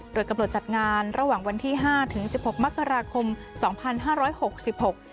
โดยกำหนดจัดงานระหว่างวันที่ห้าถึงสิบหกมกราคมสองพันห้าร้อยหกสิบหก